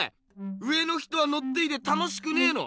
上の人はのっていて楽しくねえの？